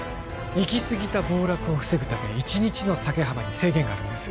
行き過ぎた暴落を防ぐため１日の下げ幅に制限があるんです